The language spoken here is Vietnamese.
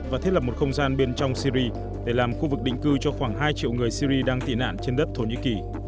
và thiết lập một không gian bên trong syri để làm khu vực định cư cho khoảng hai triệu người syri đang tị nạn trên đất thổ nhĩ kỳ